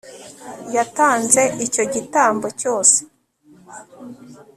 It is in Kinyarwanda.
yatanze icyo gitambo cyose